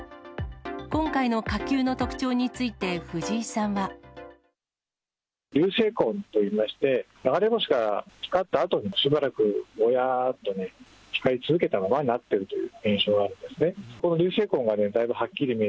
今回の火球の特徴について、藤井さんは。流星痕といいまして、流れ星が光ったあとに、しばらくぼやっと光り続けたままになってるという現象があるんですね。